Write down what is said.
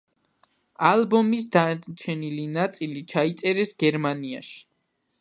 ალბომის დარჩენილი ნაწილი ჩაიწერეს გერმანიაში.